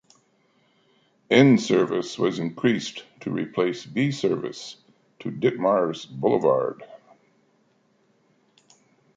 N service was increased to replace B service to Ditmars Boulevard.